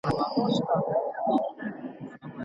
پسته بې خولې نه وي.